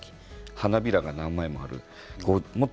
花びらが何にもあるもの